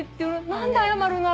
何で謝るの？